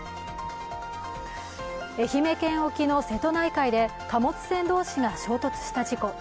愛媛県沖の瀬戸内海で貨物船同士が衝突した事故。